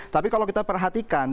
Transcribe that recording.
tapi kalau kita perhatikan